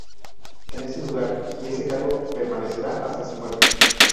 En ese lugar y ese cargo permanecerá hasta su muerte.